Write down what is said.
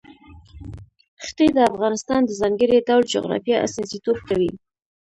ښتې د افغانستان د ځانګړي ډول جغرافیه استازیتوب کوي.